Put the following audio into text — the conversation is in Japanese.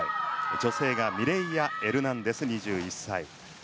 女性がミレイア・エルナンデス２１歳。